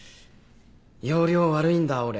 要領悪いんだ俺。